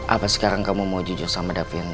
apa sekarang kamu mau jujur sama dapil